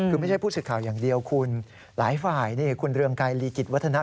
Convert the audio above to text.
คือไม่ใช่ผู้สื่อข่าวอย่างเดียวคุณหลายฝ่ายนี่คุณเรืองไกรลีกิจวัฒนะ